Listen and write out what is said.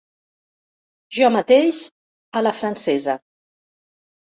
Jo mateix, a la francesa.